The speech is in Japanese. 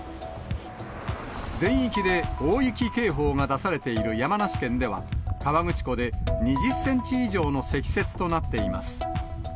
全域で大雪警報が出されている山梨県では、河口湖で２０センチ以上の積雪となっています。